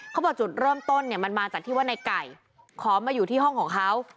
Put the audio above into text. จุดเริ่มต้นเนี่ยมันมาจากที่ว่าในไก่ขอมาอยู่ที่ห้องของเขา